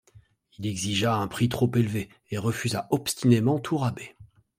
Il exigea un prix trop élevé et refusa obstinément tout rabais.